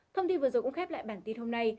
thông tin vừa rồi cũng khép lại bản tin hôm nay